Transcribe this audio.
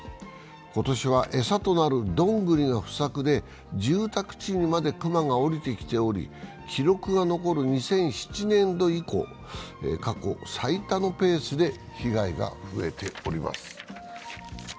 今年は餌となるどんぐりが不作で住宅地にまで熊がおりてきており記録が残る２００７年度以降、過去最多のペースで被害が増えております。